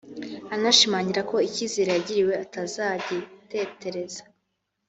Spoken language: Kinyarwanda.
anashimangira ko icyizere yagiriwe atazagitetereza